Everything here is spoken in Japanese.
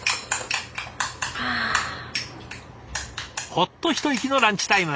ほっと一息のランチタイム。